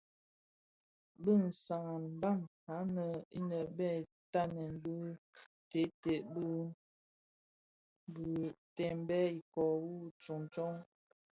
Bi sans an a mbam anèn innë bè tatnèn bi teted bi bitimbè ikoo wu tsuňtsuň.